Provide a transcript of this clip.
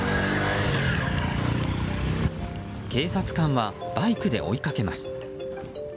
警察官はバイクで追いかけます。